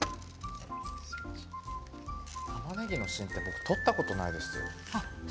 たまねぎの芯って僕取ったことないです。